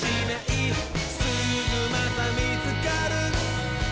「すぐまたみつかる」